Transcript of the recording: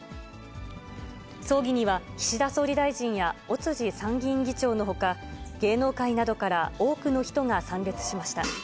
葬儀には、岸田総理大臣や尾辻参議院議長のほか、芸能界などから多くの人が参列しました。